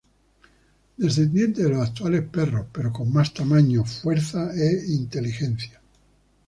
Descendientes de los actuales perros, pero con más tamaño, fuerza e inteligencia.